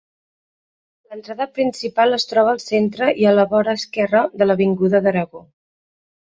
L'entrada principal es troba al centre i a la vora esquerra de l'avinguda d'Aragó.